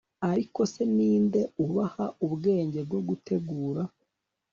Ariko se ni nde ubaha ubwenge bwo gutegura